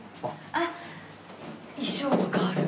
あっ衣装とかある。